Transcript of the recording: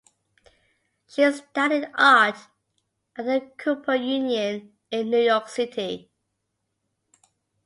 She studied art at The Cooper Union in New York City.